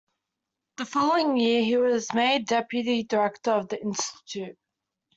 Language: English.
The following year, he was made Deputy Director of the Institute.